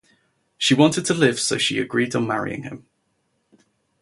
She wanted to live so she agreed on marrying him.